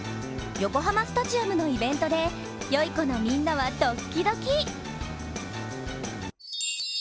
横浜スタジアムのイベントでよい子のみんなはドッキドキ。